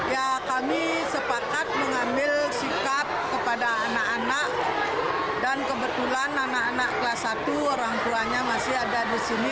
ya kami sepakat mengambil sikap kepada anak anak dan kebetulan anak anak kelas satu orang tuanya masih ada di sini